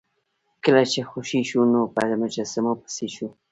کله چې خوشې شو نو په مجسمو پسې شو.